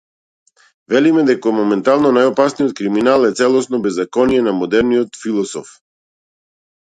Велиме дека моментално најопасниот криминал е целосното беззаконие на модерниот философ.